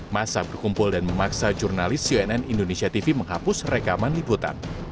masa berkumpul dan memaksa jurnalis cnn indonesia tv menghapus rekaman liputan